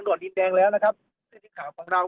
กินดอนเมืองในช่วงเวลาประมาณ๑๐นาฬิกานะครับ